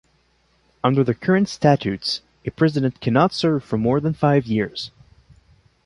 Under the current statutes, a president cannot serve for more than five years.